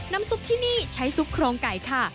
ซุปที่นี่ใช้ซุปโครงไก่ค่ะ